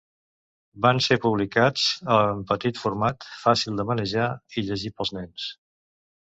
Van ser publicats en petit format, fàcil de manejar i llegir pels nens.